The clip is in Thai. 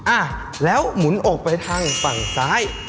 อ่ะแล้วหมุนอกไปทางฝั่งซ้าย